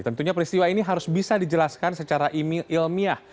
tentunya peristiwa ini harus bisa dijelaskan secara ilmiah